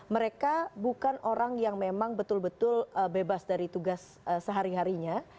mereka bukan orang yang memang betul betul bebas dari tugas sehari harinya